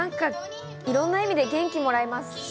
いろんな意味で元気をもらいます。